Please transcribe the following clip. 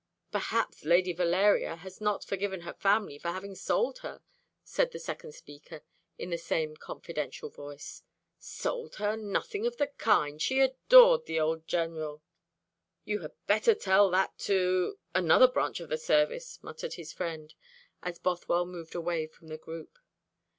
"Perhaps Lady Valeria has not forgiven her family for having sold her," said the second speaker, in the same confidential voice. "Sold her! Nothing of the kind. She adored the old General." "You had better tell that to another branch of the service," muttered his friend, as Bothwell moved away from the group.